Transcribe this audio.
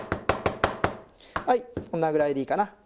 はいこんなぐらいでいいかな。